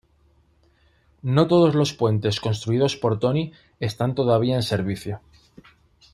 No todos los puentes construidos por Toni están todavía en servicio.